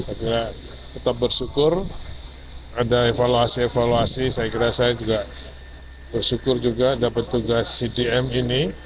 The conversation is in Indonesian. saya kira tetap bersyukur ada evaluasi evaluasi saya kira saya juga bersyukur juga dapat tugas cdm ini